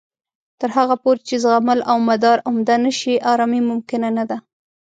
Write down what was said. تر هغه پورې چې زغمل او مدارا عمده نه شي، ارامۍ ممکنه نه ده